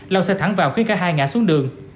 lao xe thẳng vào khiến cả hai ngã xuống đường